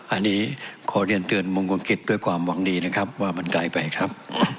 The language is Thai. อันนี้ขอเรียนเตือนมงคลกิจด้วยความหวังดีนะครับว่ามันไกลไปครับ